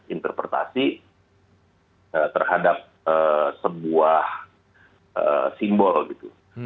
interpretasi terhadap sebuah simbol gitu